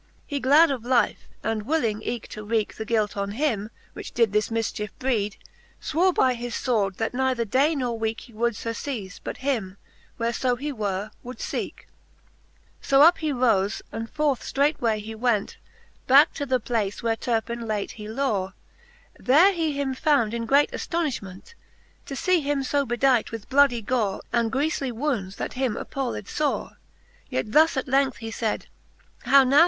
He glad of life, and willing eke to wreake The guilt on him, which did this mifchiefe breed. Swore by his fword, that neither day nor weeke He would furceaffe, but him, where fo he were, would feeke. XIV. So up he rofe, and forth ftreight way he went Backe to the place, where Turpim late he lore ; There he him found in great aftonifliment, To fee him fo bedight with bloodie gore, And griefly wounds, that him appalled fore. Yet thus at length he faid. How nov